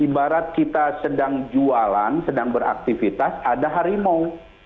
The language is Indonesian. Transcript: ibarat kita sedang jualan sedang beraktivitas ada harimau